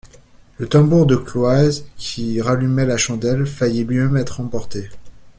Le tambour de Cloyes qui rallumait la chandelle, faillit lui-même être emporté.